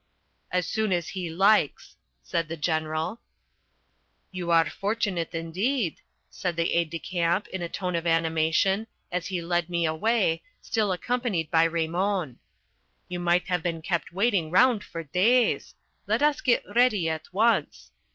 "As soon as he likes," said the General. "You are fortunate, indeed," said the aide de camp, in a tone of animation, as he led me away, still accompanied by Raymon. "You might have been kept waiting round for days. Let us get ready at once.